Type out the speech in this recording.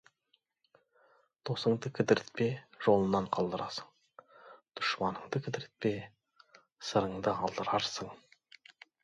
Досыңды кідіртпе, жолынан қалдырасың, дұшпаныңды кідіртпе, сырыңды алдырарсың.